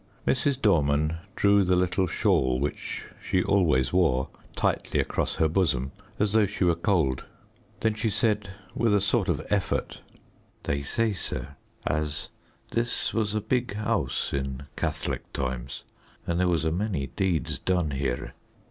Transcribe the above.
Mrs. Dorman drew the little shawl, which she always wore, tightly across her bosom, as though she were cold. Then she said, with a sort of effort "They say, sir, as this was a big house in Catholic times, and there was a many deeds done here."